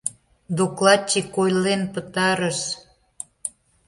Докладчик ойлен пытарыш.